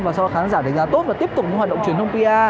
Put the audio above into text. và sau khi khán giả đánh giá tốt và tiếp tục hoạt động truyền thông pr